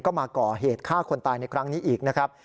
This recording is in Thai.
ก็มาก่อเหตุฆ่าคนตายในครั้งนี้อีกนะครับ